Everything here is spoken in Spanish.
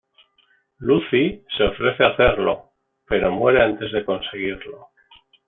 Lucy se ofrece a hacerlo, pero muere antes de conseguirlo.